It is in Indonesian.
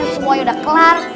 semuanya udah kelar